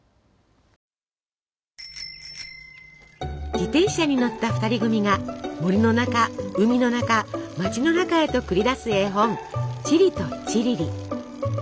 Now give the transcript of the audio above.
自転車に乗った２人組が森の中海の中町の中へと繰り出す絵本「チリとチリリ」。